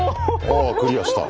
ああクリアした。